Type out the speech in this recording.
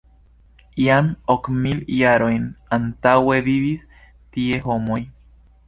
Jam ok mil jarojn antaŭe vivis tie homoj.